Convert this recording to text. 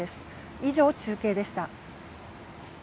以上、中継でした。